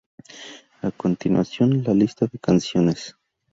A continuación la lista de canciones.